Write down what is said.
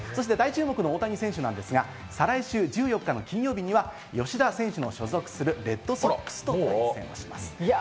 大谷選手は再来週、１４日の金曜日には吉田選手の所属するレッドソックスと対戦します。